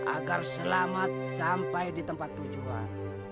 agar selamat sampai di tempat tujuan